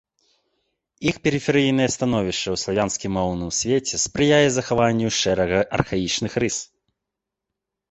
Іх перыферыйнае становішча ў славянскім моўным свеце спрыяе захаванню шэрага архаічных рыс.